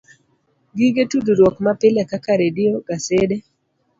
Gige tudruok mapile kaka redio, gasede,